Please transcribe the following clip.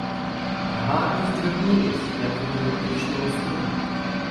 Ганна здригнулась, як від електричного струму.